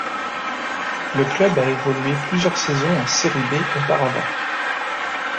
Le club a évolué plusieurs saisons en Serie B auparavant.